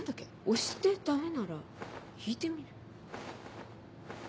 押してダメなら引いてみる？